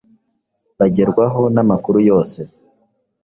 bagerwaho n’amakuru yose,